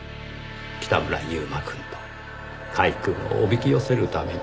北村悠馬くんと甲斐くんをおびき寄せるために。